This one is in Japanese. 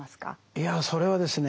いやそれはですね